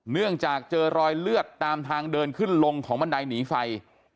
เนื่องจากเจอรอยเลือดตามทางเดินขึ้นลงของบันไดหนีไฟ